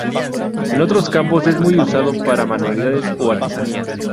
En otros campos es muy usado para manualidades o artesanías.